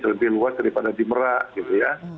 lebih luas daripada di merak gitu ya